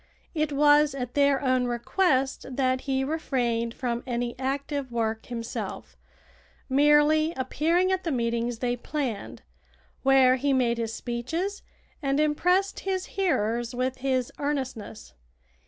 It was at their own request that he refrained from any active work himself, merely appearing at the meetings they planned, where he made his speeches and impressed his hearers with his earnestness.